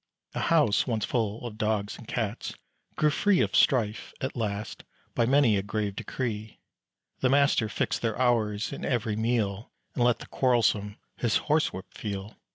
A house once, full of Dogs and Cats, grew free Of strife, at last, by many a grave decree. The master fixed their hours, and every meal, And let the quarrelsome his horsewhip feel.